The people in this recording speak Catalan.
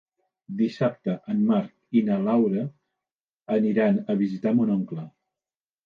Dissabte en Marc i na Laura aniran a visitar mon oncle.